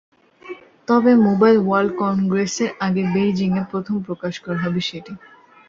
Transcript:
তবে mobile world কংগ্রেসের আগে বেইজিংয়ে প্রথম প্রকাশ করা হবে সেটি।